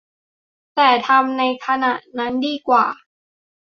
แต่ทำในขณะนั้นดีกว่า